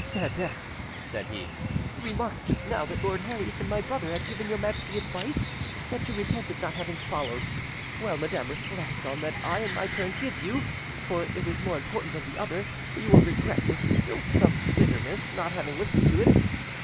"Madam," said he, "you remarked just now that Lord Herries and my brother had given your Majesty advice that you repented not having followed; well, madam, reflect on that I in my turn give you; for it is more important than the other, for you will regret with still more bitterness not having listened to it.